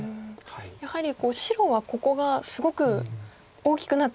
やはり白はここがすごく大きくなってきましたよね。